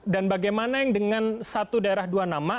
dan bagaimana yang dengan satu daerah dua nama